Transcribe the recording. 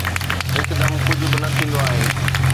هڪدم ڪجهه به نه ٿيندو آهي